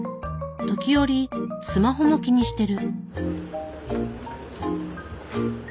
時折スマホも気にしてる。